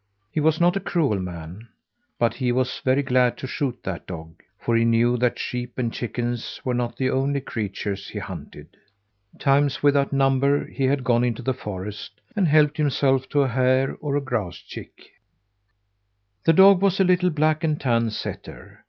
He was not a cruel man, but he was very glad to shoot that dog, for he knew that sheep and chickens were not the only creatures he hunted. Times without number he had gone into the forest and helped himself to a hare or a grouse chick. The dog was a little black and tan setter.